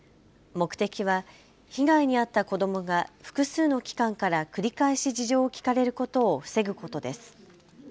目的は被害に遭った子どもが複数の機関から繰り返し事情を聴かれることを防ぐことです。